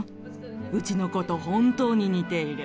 うちの子と本当に似ている。